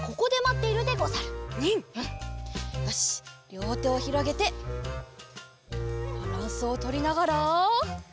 りょうてをひろげてバランスをとりながら。